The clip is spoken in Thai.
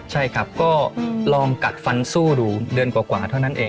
ใช่ครับก็ลองกัดฟันสู้ดูเดือนกว่าเท่านั้นเอง